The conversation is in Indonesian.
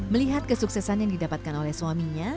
melihat kesuksesan yang didapatkan oleh suaminya